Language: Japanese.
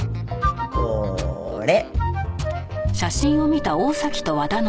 これ。